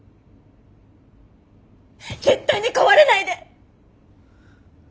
絶対に壊れないで！